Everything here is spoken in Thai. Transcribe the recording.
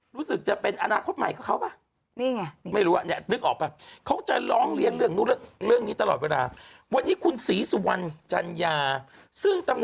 รู้สึกจะเป็นอนาคตใหม่กับเขาป่ะ